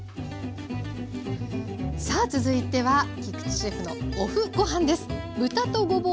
さあ続いては菊地シェフのＯＦＦごはんです。